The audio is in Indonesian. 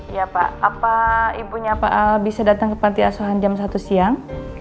iya pak apa ibunya pak al bisa datang ke panti asuhan jam satu siang